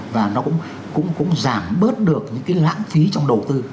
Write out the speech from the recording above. và nó cũng giảm bớt được những cái lãng phí trong đầu tư